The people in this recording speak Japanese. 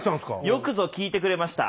よくぞ聞いてくれました。